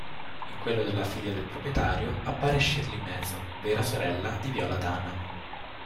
In quello della figlia del proprietario, appare Shirley Mason, vera sorella di Viola Dana.